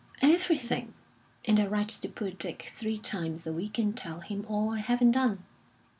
"Everything. And I write to poor Dick three times a week, and tell him all I haven't done."